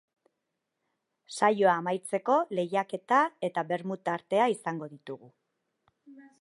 Saioa amaitzeko, lehiaketa eta bermut tartea izango ditugu.